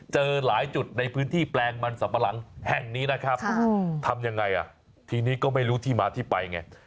เจอหลายจุดในพื้นที่แปลงมันสัมปะหลังแห่งนี้นะครับทำยังไงอ่ะทีนี้ก็ไม่รู้ที่มาที่ไปไง